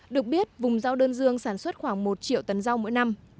được biết vùng rau đơn dương sản xuất khoảng một triệu tấn rau mỗi năm